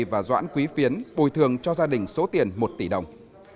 và doãn quý phiến bồi thường cho gia đình số tiền một tỷ đồng